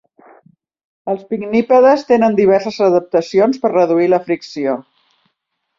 Els pinnípedes tenen diverses adaptacions per reduir la fricció.